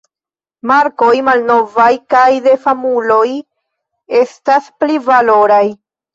Markoj malnovaj kaj de famuloj estas pli valoraj.